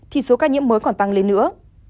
thì số ca nhiễm mới còn tăng lên nữa